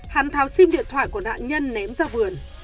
hắn tháo sim điện thoại của nạn nhân ném ra vườn